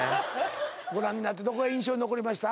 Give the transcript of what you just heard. ご覧になってどこが印象に残りました？